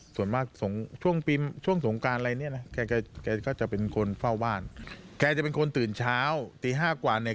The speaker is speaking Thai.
ส่วนมากช่วงปีช่วงสงการอะไรเนี่ยนะแกก็จะเป็นคนเฝ้าบ้านแกจะเป็นคนตื่นเช้าตีห้ากว่าเนี่ย